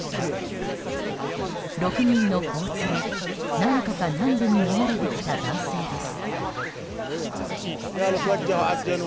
６人の子を連れ、何とか南部に逃れてきた男性です。